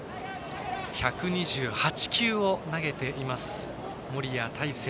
１２８球を投げています森谷大誠。